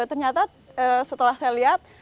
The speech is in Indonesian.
ternyata setelah saya lihat